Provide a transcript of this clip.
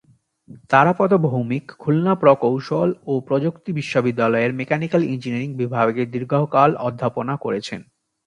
তারাপদ ভৌমিক খুলনা প্রকৌশল ও প্রযুক্তি বিশ্ববিদ্যালয়ের মেকানিক্যাল ইঞ্জিনিয়ারিং বিভাগে দীর্ঘকাল অধ্যাপনা করেছেন।